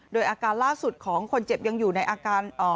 โดยอาการล่าสุดของคนเจ็บยังอยู่ในอาการ